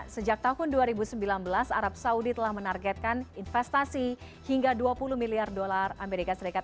sejak tahun dua ribu sembilan belas arab saudi telah menargetkan investasi hingga dua puluh miliar dolar amerika serikat